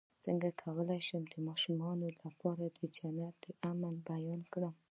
څنګه کولی شم د ماشومانو لپاره د جنت د امن بیان کړم